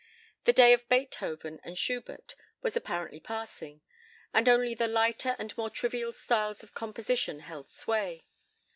The day of Beethoven and Schubert was apparently passing, and only the lighter and more trivial styles of composition held sway.